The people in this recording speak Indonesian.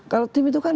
kalau tim itu kan